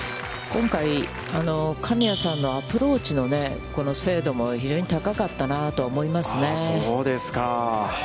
今回神谷さんのアプローチの精度も非常に高かったなと思いますね。